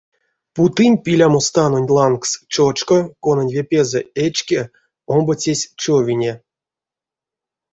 Путынь пилямо станонть лангс чочко, конань ве пезэ эчке, омбоцесь — човине.